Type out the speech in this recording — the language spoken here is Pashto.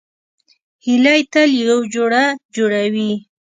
هیلۍ تل یو جوړه جوړوي